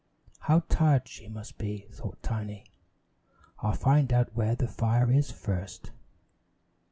"How tired she must be," thought Tiny. "I'll find out where the fire is first."